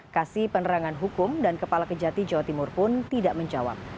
kasih penerangan hukum dan kepala kejati jawa timur pun tidak menjawab